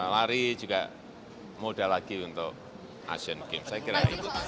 lari juga mudah lagi untuk asian games saya kira